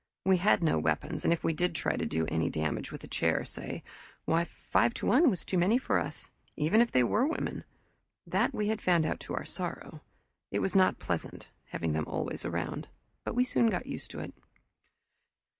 We had no weapons, and if we did try to do any damage, with a chair, say, why five to one was too many for us, even if they were women; that we had found out to our sorrow. It was not pleasant, having them always around, but we soon got used to it.